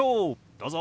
どうぞ。